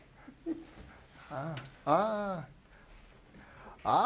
ああああ。